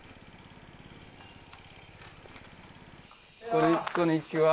こんにちは。